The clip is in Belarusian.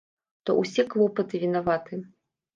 То ўсе клопаты вінаваты.